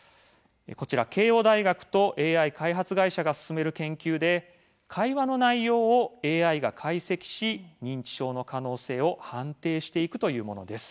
慶應大学とＡＩ開発会社が進める研究で会話の内容をＡＩが解析し認知症の可能性を判定していくというものです。